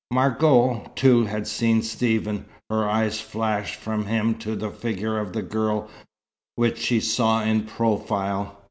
Margot, too, had seen Stephen. Her eyes flashed from him to the figure of the girl, which she saw in profile.